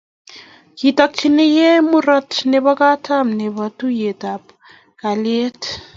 Kitokchikei murot nebo katam nebo tuiyetab kalyet